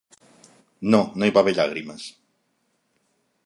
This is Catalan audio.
No, no hi va haver llàgrimes.